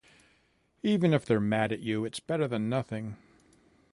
Even if they're mad at you, it's better than nothing.